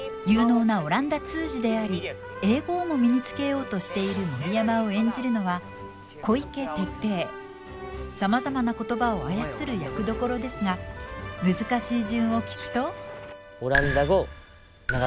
有能なオランダ通詞であり英語をも身につけようとしている森山を演じるのはさまざまな言葉を操る役どころですが難しい順を聞くと？